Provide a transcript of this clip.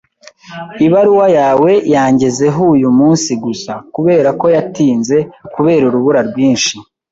Ibaruwa yawe yangezeho uyu munsi gusa, kubera ko yatinze kubera urubura rwinshi.